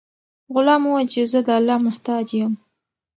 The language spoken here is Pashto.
غلام وویل چې زه د الله محتاج یم.